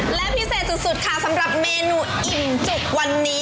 และพิเศษสุดค่ะสำหรับเมนูอิ่มจุกวันนี้